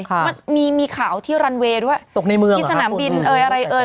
มันมีมีข่าวที่รันเวย์ด้วยตกในเมืองที่สนามบินเอ่ยอะไรเอ่ย